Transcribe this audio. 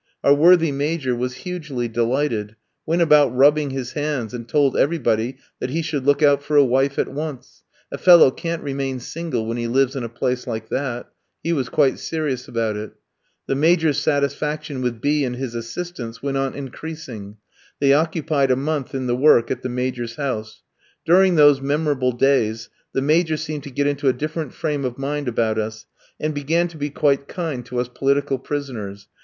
Our worthy Major was hugely delighted, went about rubbing his hands, and told everybody that he should look out for a wife at once, "a fellow can't remain single when he lives in a place like that;" he was quite serious about it. The Major's satisfaction with B in and his assistants went on increasing. They occupied a month in the work at the Major's house. During those memorable days the Major seemed to get into a different frame of mind about us, and began to be quite kind to us political prisoners.